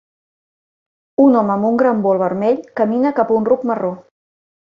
Un home amb un gran bol vermell camina cap a un ruc marró.